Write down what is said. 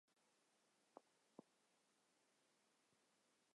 马西奥尼柳索扎是巴西巴伊亚州的一个市镇。